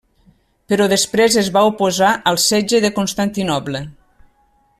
Però després es va oposar al setge de Constantinoble.